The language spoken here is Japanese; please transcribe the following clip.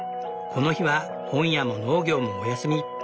この日は本屋も農業もお休み。